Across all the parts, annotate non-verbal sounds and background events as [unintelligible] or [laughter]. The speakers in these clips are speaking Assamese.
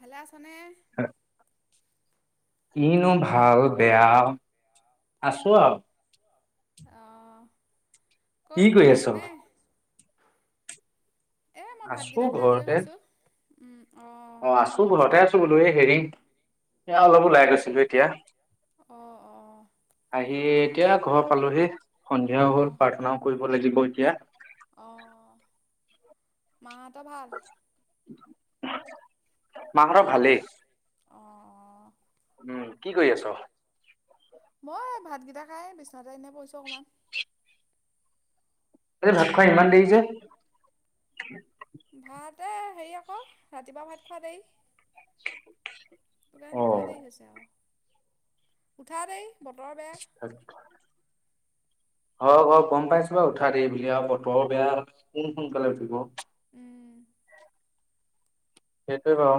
ভলা [unintelligible] হয়। কিনো ভাল বেয়া, আছো আও। অঁ। কি ক'ত কৰি আছ? ঘৰতে নে? আছো ভাতকেইটা খাই আজৰি ঘৰতে। হৈছোঁ। উম, অ। অ, আছো বোলহতে আছো বোলো এই, হেৰি এ অলপ ওলাই গৈছিলো এতিয়া। অঁ অঁ আহি। এতিয়া ঘৰ পালোহি। সন্ধিয়াও হ'ল প্ৰাৰ্থনাও কৰিব লাগিব। কৈতিয়া। [unintelligible] অহ মাহঁত ভাল মাহতৰ ভালেই অঁ উম কি কৰি আছ মই ভাতকেইটা খাই বিশ্বনাথতে এনেই পৈছো অকমান ত ভাত খোৱা ইমান দেৰিছে ভাত এ হেৰি আকৌ ৰাতিপুৱা ভাত খোৱা দেই অ তোকান দুপুৱতে হৈছে আৰু উঠাদেই বতৰ বেয়া অ অ গম পাইছো বাৰু উঠা দ বুলি আৰু বতৰ বেয়া কোন সোনকালে উম উঠিব উম সেইটো বাও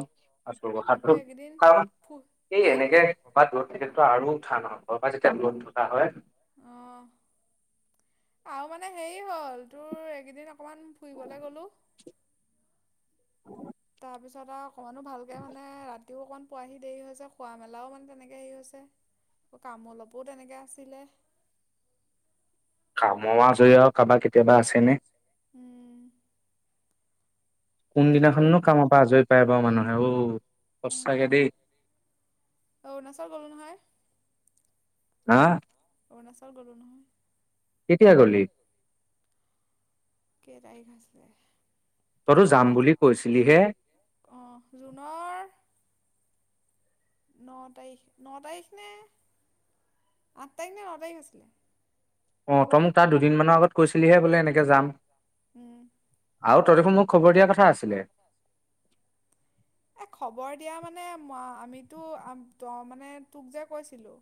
আকৌ আছো এইকেইদিন ফু এই হা এনেকে কৰবা দূৰ ত তেতিেতো আৰু উঠা নহয় ক'ৰ পৰা যেতিয়া বত থা হয় অ আৰু মানে হেৰি হ'ল তোৰ এইকেইদিন অকমান ফুৰিবলৈ গলো উ [unintelligible] তাৰপিছত আৰু অকণমানো ভালকৈ মানে ৰাতিও অকণমান পোৱাহি দেৰি হৈছে খোৱা মেলাও মানে তেনেকে হেৰি হৈছে কাম অলপোও তেনেকে আছিলে কাম মা ধৰি কাৰোবাকতি কেতিয়াবা আছেনে উম হেৰি কোনদিনাখননো কামৰ পৰা আজৰি পায় বাৰু মানুহে অ উম, সচাকে দেই অৰুণাচল গ'লোঁ নহয় হা [inaudible] কেতিয়া গ'লি? [inaudible] খৰচ যাম বুলি কৈছিলিহে অঁ জুনৰ ন তাৰিখ, ন তাৰিখ, নে আঠ তাৰিখ নে, ন তাৰিখ আছিলে। অ তই মোক তাৰ দুদিনমানৰ আগত কৈছিলিহে বোলে, ‌ এনেকে যাম। উম। আৰু তই দেখোন মোক খবৰ দিয়াৰ কথা আছিলে? এ খবৰ দিয়া মানে, আমিতো তই মানে, তোক যে কৈছিলোঁ।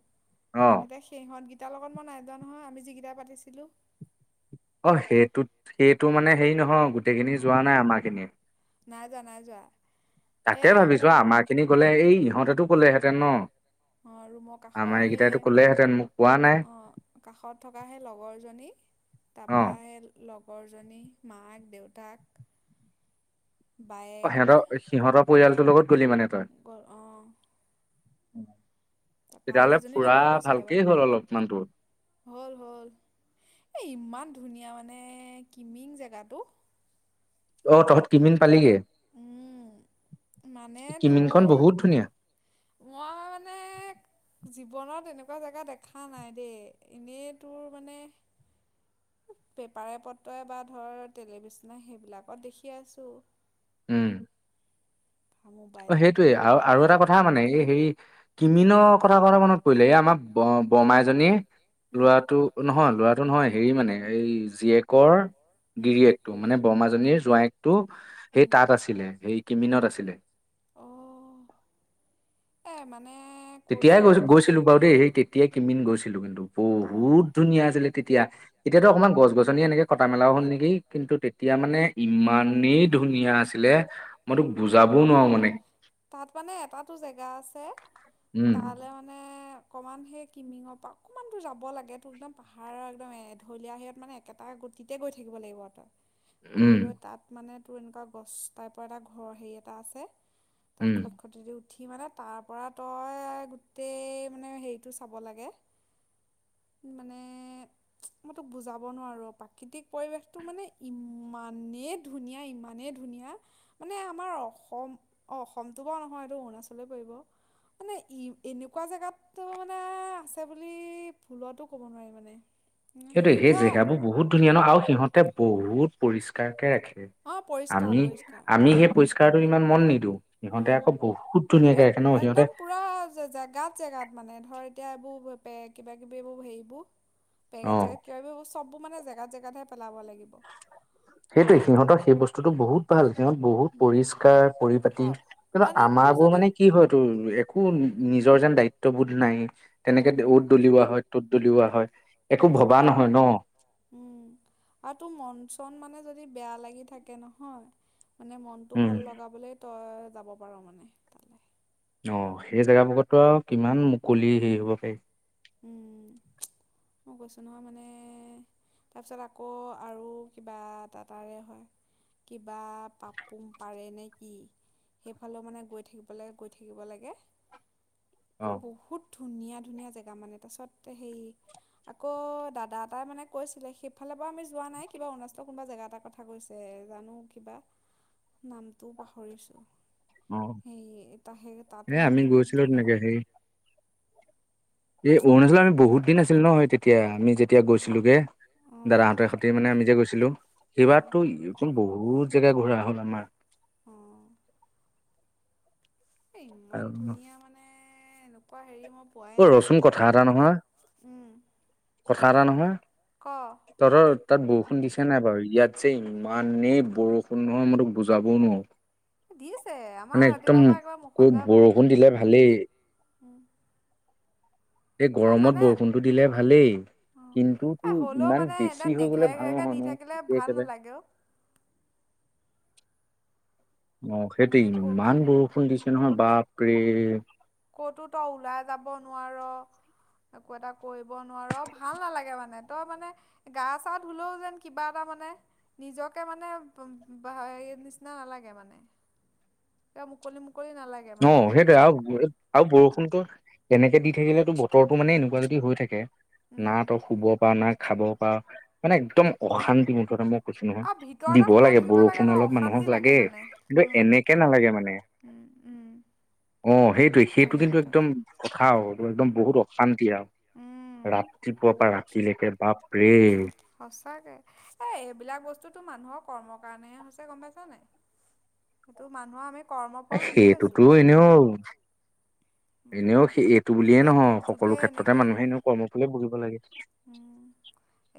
অ এতিয়া সিহঁত গিতা সেইকেইটাৰ লগত মই নাই যোৱা নহয়, আমি যিকেইটা পাতিছিলোঁ। অ সেইটোত, সেইটো মানে হেৰি নহয়। গোটেইখিনি যোৱা অঁ নাই আমাৰ খিনি। নাই যোৱা। নাই যোৱা। এই তাকে মোৰ ভাবিছোঁ, ‌ আমাৰ খিনি গলে এই ইহঁতেতো ক'লেহেঁতেন। তেন ন। অ ৰুমৰ কাষৰ আমাৰ সেই এইকেইটাইতো ক'লেহেঁতেন মোক কোৱা নাই অ, কাষত থকা সেই লগৰ জনী অ তাপা সেই লগৰজনী মাক দেউতাক। তাক অ সিহঁতৰ, সিহঁতৰ পৰিয়ালটোৰ লগত গ'লি মানে অ'। উম। তাৰপা আৰু এজনী লগৰ গৈছিলে বাৰু, অলপমান তোৰ হ'ল হ'ল এ ইমান ধুনীয়া মানে, কিমিং জেগাটো। ‌ অ তহঁত কিমিন পালিগে। উম। মানে কিমিনখন তোৰ, বহুত ধুনীয়া মই মানে জীৱনত এনেকুৱা কোৱা জেগা দেখা নাই দেই, এনেই তোৰ মানে পেপাৰে পত্ৰই বা ধৰ টেলিভিশনতে সেইবিলাকত দেখি আছোঁ। উম। বা অ মোবাইলত সেইটোৱে আৰু, আৰু এটা কিন্তু কথা মানে এই হেৰি কিমিনৰ কথা কওটে মনত পৰিলে, এই আমাৰ বমা এজনীয়ে উম ল'ৰাটো নহয়, ল'ৰাটো টো নহয়, হেৰি মানে এই জীয়েকৰ উম গিৰিয়েকটো মানে বৰমাজনীৰ জোঁৱায়েক টো সেই উম তাত আছিলে, সেই কিমিনত আছিলে। অ এ মানে তেতিয়াই কৈছোঁ গৈ নহয় গৈছিলো বাৰু দেই সেই তেতিয়াই কিমিন গৈছিলো কিন্তু অঁ বহুত ধুনীয়া আছিলে। তেতিয়া এতিয়াতো অকমান গছ গছনি এনেকে কটা মেলাও হ'ল নেকি, কিন্তু তেতিয়া মানে ইমানেই ধুনীয়া আছিলে। মই অ তোক বুজাবও নোৱাৰো মানে তাত মানে এটাতো জেগা আছে উম তালে মানে কমান সেই কিমিঙৰ পৰা অকমান দূৰ যাব লাগে তোৰ একদম পাহাৰৰ একদম এঢলীয়া সেয়াত মানে একেটা গতিতে গৈ থাকিব লাগিব তই। গৈ উম গৈ তাত মানে তোৰ এনকুৱা গছ টাইপ ওপৰ এটা ঘৰ হেৰি এটা আছে তাৰ উম খটখট যদি উ উঠি মানে তাৰ পৰা তই গোটেই মানে হেৰিটো চাব লাগে। মানে চুচ মই তোক বুজাব নোৱাৰো প্ৰাকৃতিক পৰিৱেশটো মানে ইমানেই ধুনীয়া ইমানেই ধুনীয়া মানে আমাৰ অসম অ অসমটো বাৰু নহয় এইটো অৰুণাচলেই পৰিব মানে ই এনেকুৱা জেগাতো মানে আছে বুলি ভুলতো ক'ব নোৱাৰি মানে সেইটোৱে সেই ধৰা জেগাবোৰ বহুত ধুনীয়া ন আৰু সিহঁত তাই বহুত পৰিষ্কাৰকে ৰাখে অঁ পৰিষ্কাৰ আমি পৰিষ্কাৰ আমি সেই উম পৰিষ্কাৰটো ইমান মন নিদিওঁ সিহঁতে উম আকৌ বহুত ধুনীয়াকে এ ৰাখে ন সিহঁতে একদম পুৰা জেগাত জেগাত মানে ধৰে এতিয়া এইবোৰ গ্ৰুপে কিবা কিবি এবোৰ হেৰিবোৰ পেকেট অ চেনেল কিবা কিবাকিবিও চব মানে জেগাত জেগাতহে পেলাব লাগিব সেইটোৱে সিহঁতৰ সেই বস্তুতটো বহুত ভাল সিহত বহুত পৰিষ্কাৰ পৰি পাতি অ কিয়নো মানে আমাৰ তোৰ বোৰ যদি মানে কি হয় তোৰ একো নিজৰ যেন দায়িত্ববোধ নাইয়ে তেনেকে উম দেউদ দলিওৱা হয় তত দলিওৱা হয় একো উম ভবা নহয় ন উম আৰু তোৰ মন চন মানে যদি যদি বেয়া লাগি থাকে নহয় মানে মনটো উম ভাল লগাবলে তয় যাব পাৰো মানে তালে অ সেই জেগাবোৰতক কিমান মুকলি হেৰি হ'ব পাৰি উম চুমই গৈছোঁ নহয় মানে তাৰপিছত আকৌ আৰু কিবা এটা তাৰে হয় কিবা পাপোম পাৰে নে কি সেইফালেও মানে গৈ থাকিব লাগে গৈ থাকিব লাগে এ অ বহুত ধুনীয়া ধুনীয়া জেগা তাৰমানে তাৰওচত হেই আকৌ দাদা এটাই মানে কৈছিলে সেইফালে পৰা আমি যোৱা নাই কিবা অৰুণাচলৰ কোনোবা জেগা এটাৰ কথা কৈছে জানো কিবা নামটোও পাহৰিছো অ সেই তাহে তাতো এ হেনো আমি বহুত গৈছিলো ধুনীয়া মানে এ অৰুণাচলত আমি বহুত দিন আছিল ন হয় তেতিয়া আমি যেতিয়া গৈছিলোগে অঁ দাদাহঁতেৰ হতে মানে আমি যে গৈছিলো অঁ সেইবাৰতো এইখন বহুত জেগা ঘূৰা হ'ল আমাৰ অঁ এই ইমান আৰু ধুনীয়া মানে এ এনেকুৱা হেৰি মোক অ ৰচোন কথা এটা নহয় উম কথা এটা নহয় ক তহঁতৰ তাত ব বৰষুণ দিছে নাই বাৰু ইয়াত যে ইমানেই বৰষুণ নহয় মই তোক বুজাবও নোৱাৰো দিছে আমাৰ মানে একদম ৰাতিপুৱাৰ পৰা একবাৰে ক মখলদাৰ বৰষুণ দিলে ভালেই বৰষুণ উম, এই গৰমত বৰষুণটো দিলে ভালেই অ', কিন্তু এ তোৰ হ'লেও ইমান মানে এনে বেছি হৈ গলে নেঘেৰে ভাল ঘেৰেকে নহয় দি নো থাকিলে একে ভাল একেবাৰে নালাগে অ', অ সেইটো মানে ক ইমান বৰষুণ দিছে নহয় বাপৰে কতো তই ওলাই যাব নোৱাৰ। একো এটা কৰিব নোৱাৰ। ভাল নালাগে মানে, তই মানে গা চা ধুলেও যেন কিবা এটা মানে, নিজকে মানে হে নিচিনা নালাগে, মানে ক মুকলি মুকলি নালাগে মানে অহ সেইটোৱে আও আৰু বৰষুণতো এনেকে দি থাকিলেতো বতৰটো মানে এনেকুৱা যদি হৈ থাকে না উম, তই শুব পা না খাব পাৰ মানে একদম অশান্তি মুঠতে মোক কৈছো নহয়। আৰু ভিতৰতে দিব সোমাই লাগে থাকিব বৰষুণ ন অলপ মানুহক অশান্তি লাগে, মানে কিন্তু উম, এনেকে নালাগে মানে। উম, উম। অ সেইটোৱে সেইটো কিন্তু একদম কথা একদম বহুত অশান্তি আৰু। একদম ৰাতিপুৱা পৰা জিএকে বাপ সচাকে এ এইবিলাক বস্তুতো মানুহক কৰ্ম কাৰণে হৈছে গম পাইছ নাই? সেইটো মানুহৰ আমি কৰ্মফল ভুগি আছোঁ সেইটোতো এনেও মানে এনেও স এইটো বুলিয়ে এতিয়া নহয়, সকলো দুৰ্যোগে ক্ষেত্ৰতে এনেকে মানুহে এনেও কৰ্ম ফুল ভুগিব লাগে। উম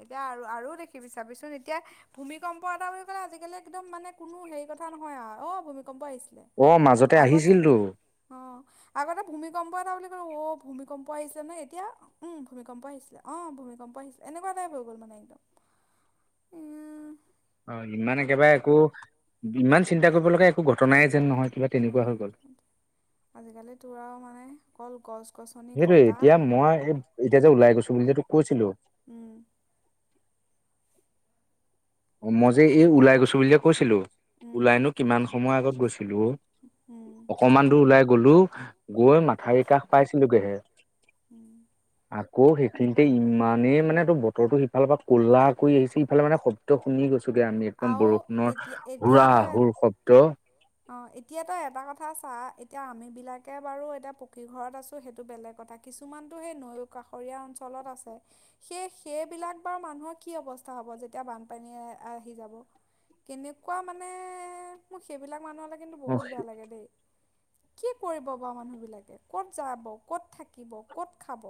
এতিয়া আৰু আৰু দেখিবি চাবিচোন এতিয়া, ভূমিকম্প এটা বুলি ক'লে আজিকালি একদম মানে কোনো হেৰি কথা নহয় আও। অ ভম ভূমিকম্প আহিছিলে অ মাজতে আগতে আহিছিলতো অ। আগতে ভূমিকম্প এটা বুলি ক'লে অ ভূমিকম্প আহিছিলে নয়। এতিয়া উম ভূমিকম্প আহিছিলে। অ ভূমিকম্প আহিছিল এনেকুৱা টাইপ হৈ গ'ল মানে। একদম উম অ ইমান একেবাৰে একো ইমান চিন্তা কৰিব লগা একো ঘটনাই নহয় কিবা তেনেকুৱা হৈ গ'ল। নহয় কল গছ। গছনি সেইটোয়ে কটা এতিয়া মই এতিয়া যে ওলাই গৈছো বুলি যে তোক কৈছিলো উম। অ মই যে এই ওলাই গৈছো বুলি যে কৈছিলো উম ওলাইনো কিমান সময় আগত গৈছিলো অ। উম অকমান দূৰ ওলাই গলো উম গৈ মাথাউৰি কাষ পাইছিলোগেহে। [inaudible] আকৌ সেইখিনিতে ইমানেই মানে তোৰ বতৰটো সিফালৰ পৰা ক'লা কৰি আহিছে ইফালে মানে শুনি গৈছে আৰু এতিয়া এতিয়া তই হুৰ শব্দ অ এতিয়া তই এটা কথা চা, এতিয়া আমি বিলাকে বাৰু এতিয়া পকী ঘৰত আছোঁ সেইটো বেলেগ কথা কিছুমানতটো সেই নৈ কাষৰীয়া অঞ্চলত আছে। সেই সেইবিলাক বাৰু মানুহৰ কি অৱস্থা হ'ব যেতিয়া বানপানী [inaudible] কেনেকুৱা মানে মোৰ সেইবিলাক মানুহলে কিন্তু অ বহুত বেয়া লাগে দেই। কি কৰিব বাও মানুহবিলাকে? ক'ত যাব? ক'ত থাকিব? ক'ত খাব?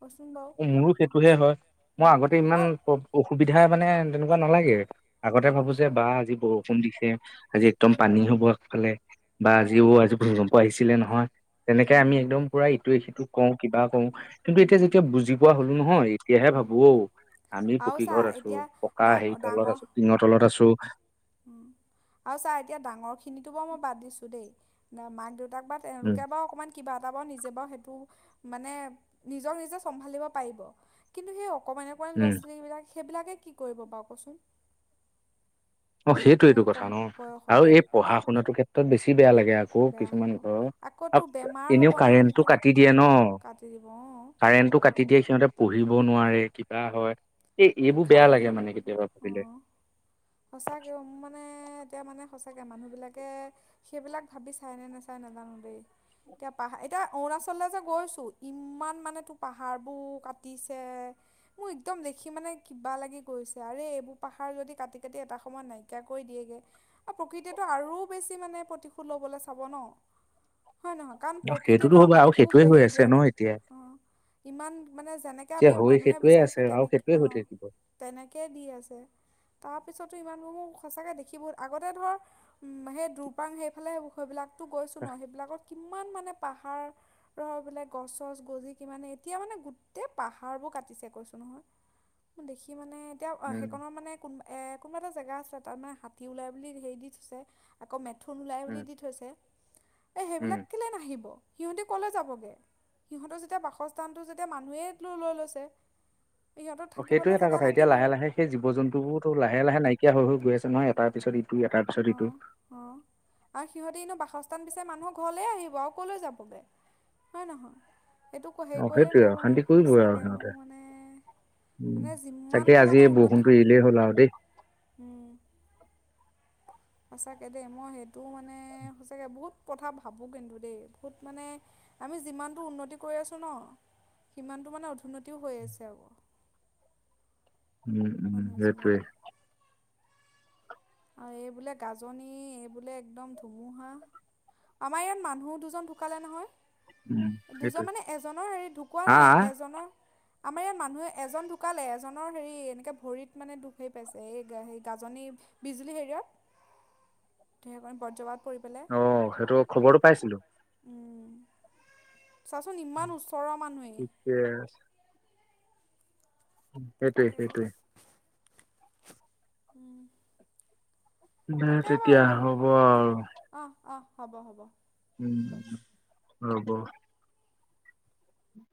কচোন বাৰু মোৰো সেইটোহে হয় মই উম আগতে ইমান বাৰু অসুবিধা মানে তেনেকুৱা নালাগে আগতে উম ভাবো যে বা আজি বহু ফন দিছে আজি একদম পানী উম হ'বফালে বা উম আজিও আজি ভূিকম্প আহিছে ছিলে নহয় তেনেকে আমি উম একদম পুৰা ইটোৱে সিটো ক কিবা কৰওঁ কিন্তু এতিয়া উম যি বুজি পোৱা হলো নহয় এতিয়াহে উম ভাবো অঔ আমি আৰু পকী চা ঘৰত আছো এতিয়া পকা হে ডাঙৰ তলত ডাঙৰ আছো টিঙৰ তলত আ আছো উম আৰু ছাৰ এতিয়া ডাঙৰিন খিনটো ব মই বাদ দিছো দেই না মাদু ত বা উম তেওঁলোকে বা অকণমান কিবা নিজে সেইটো মানে নিজৰ নিজে চম্ভালিব পাৰিব কিন্তু স অকণমান উম বস্তূ বিলাক সেইবিলাকে কি কৰিব বাৰু কচোন অ সেইটো এইটো ইমান কথা কম ন আৰু বয়সতে এই পঢ়া শুনাটোৰ ক্ষেত্ৰত বেছি বেয়া লাগে আকৌ বেয়া হ'ব কিছুমান ঘৰ আকৌ আৰু তোৰ বেমাৰ এনেও হ'ব নহয় কাৰেন্টটো তেতিয়া কাটি দিয়ে ন কাটি দিব অঁ কাৰেণ্টটো কাটি দিয়ে সিহঁতে পঢ়ি নোৱাৰে কিবা হয় এই এইবোৰ বেয়া লাগে খাবলৈ মানে কেতিয়াবা ভাবিলে তাকে মানে এতিয়া মানে সঁচাকে মানুহ বিলাকে সেইবিলাক ভাবি চাই নে নেচাই নাজানো দেই এতিয়া পাহাৰ এতিয়া অৰুণাচললে যে গৈছো ইমান মানে তোৰ পাহাৰ বোৰ কাটিছে মোৰ একদম দেখি সি মানে কিবা লাগি গৈছে আৰে এইবোৰ পাহাৰ যদি কাটি কাটি এটা সময়ত নাইকিয়া কৰি দিয়েগে প্ৰকৃতিয়ে টো আৰু বেছি মানে প্ৰতি ল'বলৈ চাব ন হয় নহয় কাৰণ ন সেইটোতো প্ৰকৃতিয়েটো হ'ব আমাক আৰু একো সেইটোৱে হৈ হেৰি আছে দিয়া ন নাই এতিয়া অ ইমান মানে যেনেকে এতিয়া আমি হৈ মানুহে সেইটোৱে বিচাৰিছো আছে আৰু তেনেকে সেইটোৱে অ হৈ থাকিব তেনেকে দি আছে তাৰপিছত টো ইমানবোৰ মোৰ সঁচাকৈ দেখিব বহুত আগতে ধৰ সেই দুৰপাং সেইফালে সেইবিলাক তো গৈছো ন সেইবিলাকত কিমান মানে পাহাৰৰ বোলে গছ গছ গছি কিমান এতিয়া মানে গোটেই পাহাৰবোৰ কাটিছে কৈছোঁ নহয় ম দেখি মানে এতিয়া উম সেইখনৰ মানে কোনোব এ কোনো এটা জেগা আছিলে তাৰ মানে হাতী ওলাই বুলি হেৰি দি থৈছে আকৌ মে থুন ওলাই উম বুলি দি থৈছে এ উম সেইবিলাক কেলে নাহিব সিহঁতে ক'লৈ যাবগে সিহঁতৰ যেতিয়া বাসস্থানটো যেতিয়া মানুহে ল লৈ লৈছে সিহঁতৰ অ থাকিবলৈ সেইটোৱে এটা জেগা কথা এতিয়া লাগিবই লাহে লাহে সেই জীৱ জন্তুবোৰটো লাহে লাহে নাইকিয়া হৈ গৈ আছে। নহয় এটাৰ পিছত ইটো এটাৰ পিছত ইটো। নো বাসস্থান বিচাৰি মানুহ ঘৰলে আহিব আৰু কলৈ যাবগৈ হয় নহয় এইটো অ হেৰি কৰিলেই সেইটোৱে আৰু নহ'ব অশান্তি নহয় কৰিবই আৰু সঁচাকে মোৰ সিহঁতে মানে উম মানে তাকে যিমানটো আজি মানে উন্নতি বৰষুণটো এৰিলেই হ'ল আৰু দেই উ। সঁচাকে দেই মই সেইটোও মানে সঁচাকে বহুত কথা ভাবোঁ কিন্তু দেই বহুত মানে আমি যিমানটো উন্নতি কৰি আছো ন সিমানটো মানে অধোন্নতিও হৈ আছে আকৌ। উম উম মানুহৰ সেইটোৱেই জীৱনত আৰু এই বোলে গাজনি এই বোলে একদম ধুমুহা আমাৰ ইয়াত মানুহ দুজন ঢুকালে নহয়। উম দুজন সেইটোৱে মানে এজনৰ হেৰি ঢুকুৱা হা নাই এজনৰ আমাৰ ইয়াত মানুহে এজন ঢুকালে এজনৰ হেৰি এনেকে ভৰিত মানে দুখেই পাইছে এই সে গাজনি বিজুলী হেৰিয়াত ঢেকণ বজ্ৰপাত পৰি পেলাই অ সেইটো খবৰো পাইছিলো উম চাচোন ইমান উচ ঠিকে আছে সেইটোৱে সেইটোৱে উম হ তেতিয়া হ'ব অহ আৰু অহ অহ হ'ব হ'ব উম হব